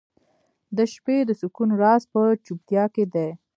• د شپې د سکون راز په چوپتیا کې دی.